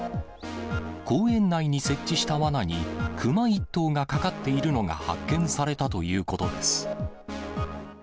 公園内に設置したわなに、熊１頭がかかっているのが発見されたということです。